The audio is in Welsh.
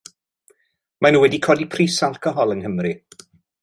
Maen nhw wedi codi pris alcohol yng Nghymru.